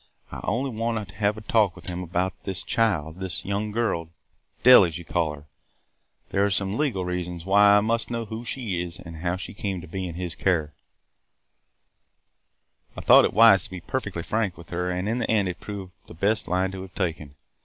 I only want to have a talk with him about this child – this young girl – Dell, as you call her. There are some legal reasons why I must know who she is and how she came to be in his care.' "I thought it wise to be perfectly frank with her and in the end it proved the best line to have taken.